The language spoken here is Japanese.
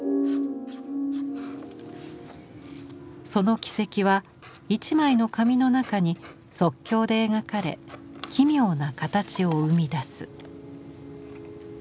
その軌跡は１枚の紙の中に即興で描かれ奇妙なカタチを生み出す。